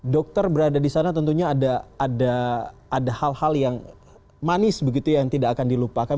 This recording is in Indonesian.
dokter berada di sana tentunya ada hal hal yang manis begitu yang tidak akan dilupakan